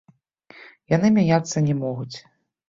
Яны мяняцца не могуць.